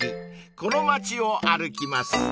この街を歩きます］